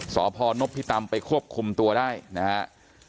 สพนพิตำไปควบคุมตัวได้นะครับ